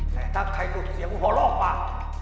แต่ถ้าใครถูกเสียของขอโลกมา